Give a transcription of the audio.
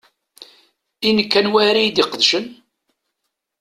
I nekk, anwa ara y-id-iqedcen?